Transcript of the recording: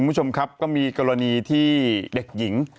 คุณผู้ชมครับก็มีกรณีที่เด็กหญิง